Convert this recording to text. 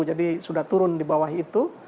jadi sudah turun di bawah itu